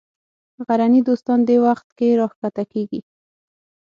غرني دوستان دې وخت کې راکښته کېږي.